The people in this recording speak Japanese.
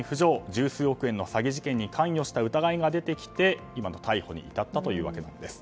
十数億円の詐欺事件に関与した疑いが出てきて今の逮捕に至ったというわけなんです。